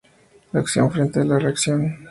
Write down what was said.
La acción frente a la reacción.